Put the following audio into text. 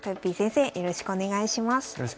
よろしくお願いします。